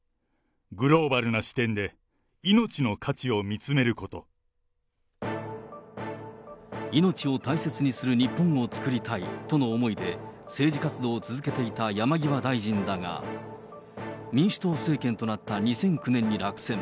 グローバルな視点で、命を大切にする日本を作りたいとの思いで、政治活動を続けていた山際大臣だが、民主党政権となった２００９年に落選。